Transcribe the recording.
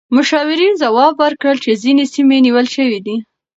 مشاورین ځواب ورکړ چې ځینې سیمې نیول شوې دي.